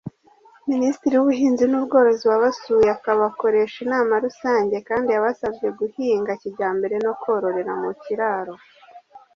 Minisitiri w Ubuhinzi n Ubworozi wabasuye akabakoresha inama rusange kandi yabasabye guhinga kijyambere no kororera mu kiraro.